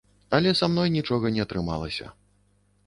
Але са мной нічога не атрымалася.